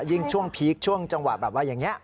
ยิ่งช่วงพีคช่วงจังหวะแบบว่าอย่างนี้